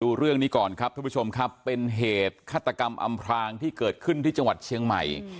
ดูเรื่องนี้ก่อนครับทุกผู้ชมครับเป็นเหตุฆาตกรรมอำพรางที่เกิดขึ้นที่จังหวัดเชียงใหม่